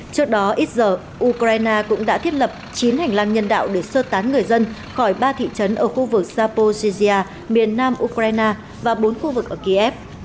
trước đó ít giờ ukraine cũng đã thiết lập chín hành lang nhân đạo để sơ tán người dân khỏi ba thị trấn ở khu vực saposigia miền nam ukraine và bốn khu vực ở kiev